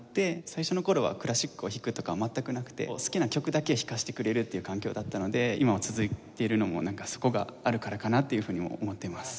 最初の頃はクラシックを弾くとかは全くなくて好きな曲だけを弾かせてくれるという環境だったので今も続いているのもなんかそこがあるからかなっていうふうにも思っています。